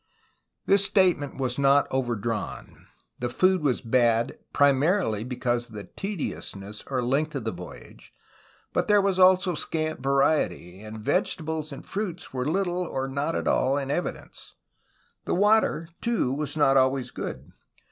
This statement was not overdrawn. The food was bad primarily because of the ' 'tediousness, '' or length, of the voyage, but there was also scant variety, and vegetables and fruits were little or not at all in evidence. The water, too, was not always good.